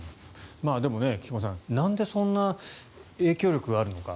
でも、菊間さんなんでそんな影響力があるのか。